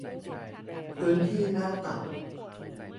พื้นที่หน้าตัด